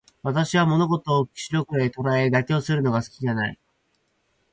私は物事を白黒で捉え、妥協するのが好きじゃない。